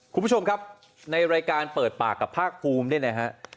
คุณผู้ชมครับในรายการเปิดปากกับภาคภูมิเนี่ยนะฮะ